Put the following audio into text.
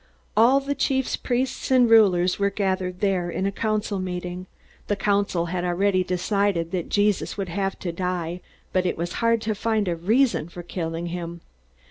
All the chief priests and rulers were gathered there in a council meeting. The council had already decided that Jesus would have to die, but it was hard to find a reason for killing him.